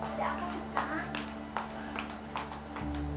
ada apa sih